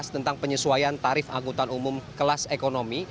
tentang penyesuaian tarif angkutan umum kelas ekonomi